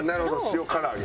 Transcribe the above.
塩唐揚げ。